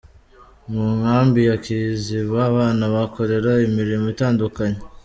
Mu nkambi ya Kiziba abana bakora imirimo itandukanye.